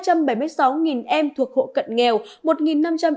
hơn hai trăm bảy mươi sáu em thuộc hộ cận nghèo